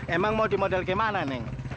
emang mau dimodel kemana neng